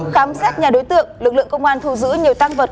khám xét nhà đối tượng lực lượng công an thu giữ nhiều tăng vật